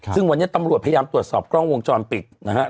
ซึ่งวันนี้ตำรวจพยายามตรวจสอบกล้องวงจรปิดนะครับ